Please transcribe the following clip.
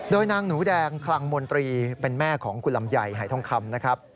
โดยนางหนูแดงคลังมนตรีเป็นแม่ของคุณลำไยหายทองคำนะครับ